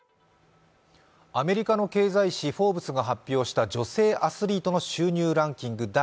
アメリカの経済誌「フォーブス」が発表した女性アスリートの収入ランキング